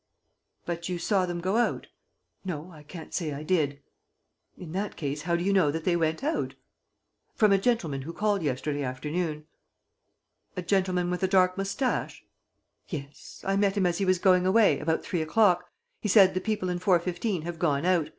"But you saw them go out?" "No, I can't say I did." "In that case, how do you know that they went out?" "From a gentleman who called yesterday afternoon." "A gentleman with a dark mustache?" "Yes. I met him as he was going away, about three o'clock. He said: 'The people in 415 have gone out. Mr.